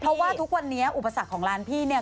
เพราะว่าทุกวันนี้อุปสรรคของร้านพี่เนี่ย